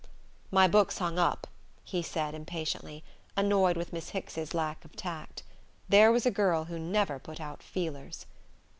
"My book's hung up," he said impatiently, annoyed with Miss Hicks's lack of tact. There was a girl who never put out feelers....